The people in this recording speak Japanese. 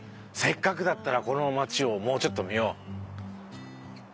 せっかくだったらこの町をもうちょっと見よう。